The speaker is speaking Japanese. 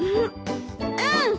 うん！